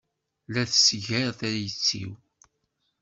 La tesgar tayet-iw.